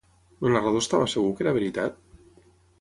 El narrador estava segur que era veritat?